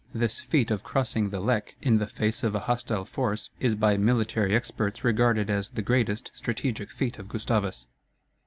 This feat of crossing the Lech in the face of a hostile force is by military experts regarded as the greatest strategic feat of Gustavus.